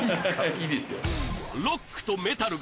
いいですよ